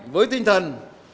với tinh thần